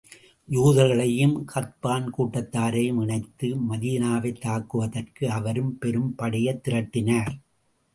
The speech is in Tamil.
யூதர்களையும், கத்பான் கூட்டத்தாரையும் இணைத்து, மதீனாவைத் தாக்குவதற்கு, அவரும் பெரும் படையைத் திரட்டினார்.